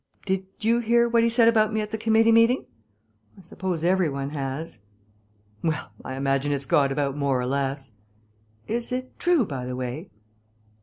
Did you hear what he said about me at the committee meeting? I suppose every one has." "Well, I imagine it's got about more or less. Is it true, by the way?"